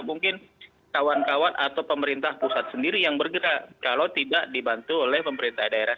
mungkin kawan kawan atau pemerintah pusat sendiri yang bergerak kalau tidak dibantu oleh pemerintah daerah